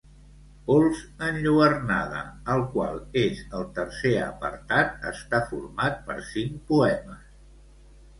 Pols enlluernada, el qual és el tercer apartat, està format per cinc poemes.